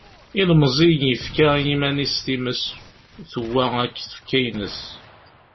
Ilemẓi yefka i yiman-is times, tewwa akk tfekka-ines.